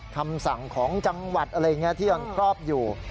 คำสั่งของจังหวัดอะไรอย่างนี้ที่ยังครอบอยู่